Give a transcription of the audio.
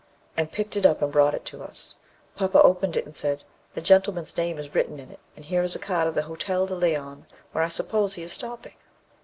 and picked it up and brought it to us. Papa opened it, and said, 'The gentleman's name is written in it, and here is a card of the Hotel de Leon, where I suppose he is stopping.'